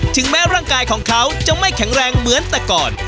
ถึงแม้ร่างกายของเขาจะไม่แข็งแรงเหมือนแต่ก่อน